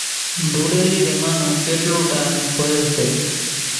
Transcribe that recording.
ڌوڙيلي رميا نون چيٽلون ٽيم ھوئي سي